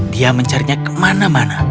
dia mencernya kemana mana